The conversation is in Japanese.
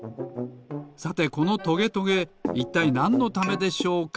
さてこのトゲトゲいったいなんのためでしょうか？